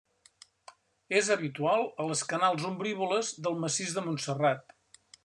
És habitual a les canals ombrívoles del massís de Montserrat.